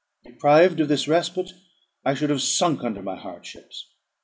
Deprived of this respite, I should have sunk under my hardships.